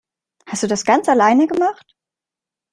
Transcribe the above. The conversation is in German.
Hast du das ganz alleine gemacht?